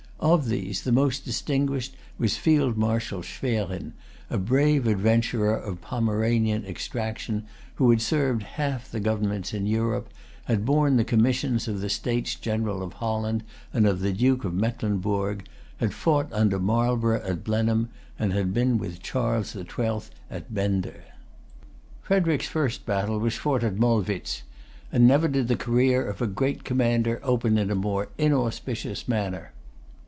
Of these, the most distinguished was Field Marshal Schwerin, a brave adventurer of Pomeranian extraction, who had served half the governments in Europe, had borne the commissions of the States General of Holland and of the Duke of Mecklenburg, had fought under Marlborough at Blenheim, and had been with Charles the Twelfth at Bender. Frederic's first battle was fought at Molwitz; and never did the career of a great commander open in a more inauspicious manner.